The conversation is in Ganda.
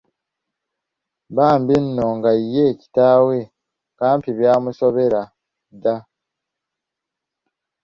Bambi nno nga ye kitaawe, Kampi byamusobera dda.